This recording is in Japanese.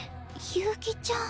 悠希ちゃん。